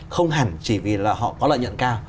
không hẳn chỉ vì là họ có lợi nhuận cao